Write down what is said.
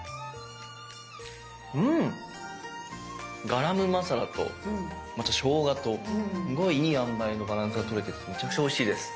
うんガラムマサラとまたしょうがとすごいいいあんばいのバランスがとれててめちゃくちゃおいしいです。